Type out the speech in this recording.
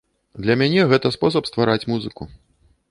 Для мяне гэта спосаб ствараць музыку.